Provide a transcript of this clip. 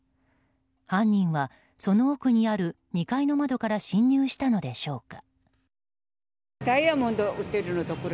犯人は、その奥にある２階の窓から侵入したのでしょうか。